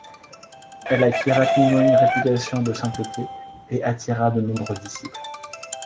Elle acquit rapidement une réputation de sainteté et attira de nombreux disciples.